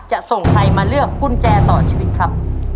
จะส่งใครมาเลือกกุญแจต่อชีวิตครับ